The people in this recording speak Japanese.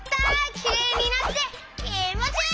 きれいになってきもちいい！